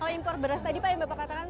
kalau impor beras tadi pak yang bapak katakan